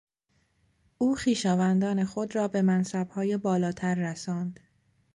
او خویشاوندان خود را به منصبهای بالاتر رساند.